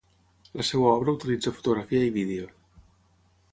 La seva obra utilitza fotografia i vídeo.